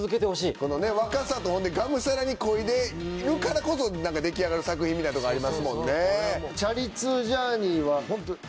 このね若さとほんでがむしゃらに漕いでいるからこそ出来上がる作品みたいなとこありますもんね。